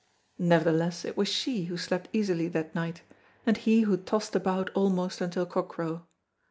Nevertheless it was she who slept easily that night, and he who tossed about almost until cockcrow.